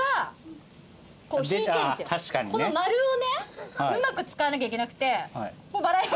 この丸をねうまく使わなきゃいけなくて。